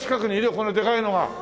こんなでかいのが。